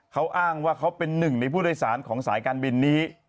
เขาอ้างว่าเขาเป็นหนึ่งในผู้โดยสารของสายการบินนี้